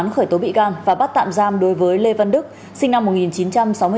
khởi tố bị can và bắt tạm giam đối với lê văn đức sinh năm một nghìn chín trăm sáu mươi hai